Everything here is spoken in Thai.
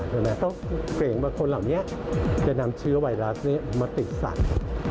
ต้องเกรงว่าคนเหล่านี้จะนำเชื้อไวรัสนี้มาติดสัตว์